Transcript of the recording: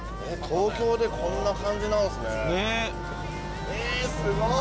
東京でこんな感じなんすねえー